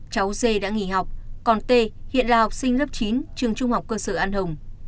cháu dê đã nghỉ học còn t hiện là học sinh lớp chín trường trung học cơ sở an hồng